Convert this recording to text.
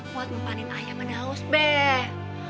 buat memanin ayam dan haus beh